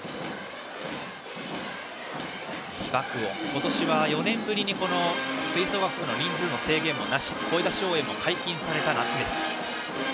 美爆音、今年は４年ぶりに吹奏楽部の人数制限もなし声出し応援も解禁された夏です。